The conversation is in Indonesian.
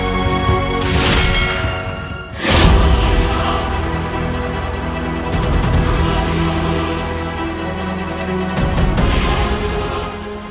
terima kasih cacing